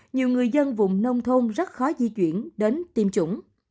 nhiều người dân vùng nông thôn rất khó di chuyển đến tiêm chủng